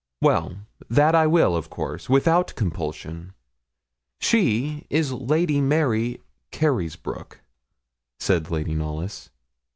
'Well, that I will, of course, without compulsion. She is Lady Mary Carysbroke,' said Lady Knollys.